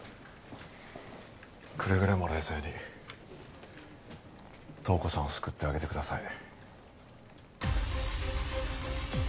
くれぐれも冷静に東子さんを救ってあげてください